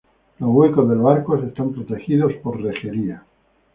Los huecos de los arcos están protegidos por rejería.